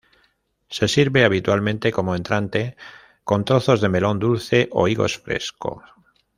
Se sirve habitualmente como entrante con trozos de melón dulce o higos fresco.